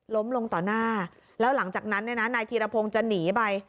ล้มลงต่อหน้าแล้วหลังจากนั้นเนี่ยนะนายธีรพงศ์จะหนีไป